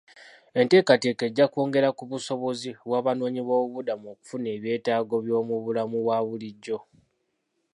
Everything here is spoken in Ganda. Enteekateeka ejja kwongera ku busobozi bw'abanoonyi boobuibudamu okufuna ebyetaago by'omu bulamu bwa bulijjo.